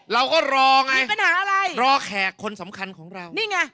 เราก็รอไงรอแคต์คนสำคัญของเรามีปัญหาอะไร